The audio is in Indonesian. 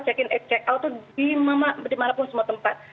check in check out itu dimana pun semua tempat